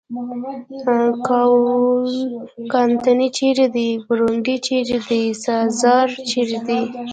کاوالکانتي چېرې دی؟ برونډي چېرې دی؟ سزار چېرې دی؟